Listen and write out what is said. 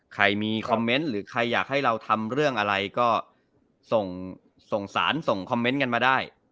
ใครมีคอมเมนต์หรือใครอยากให้เราทำเรื่องอะไรก็ส่งสารส่งคอมเมนต์กันมาได้